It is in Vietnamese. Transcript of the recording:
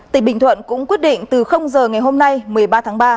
tỉnh bình thuận cũng quyết định từ giờ ngày hôm nay một mươi ba tháng ba